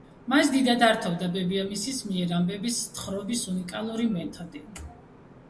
მას დიდად ართობდა ბებიამისის მიერ ამბების თხრობის უნიკალური მეთოდი.